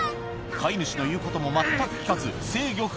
飼い主の言うことも全く聞かず制御不能！